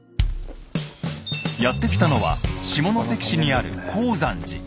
やって来たのは下関市にある功山寺。